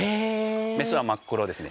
雌は真っ黒ですね。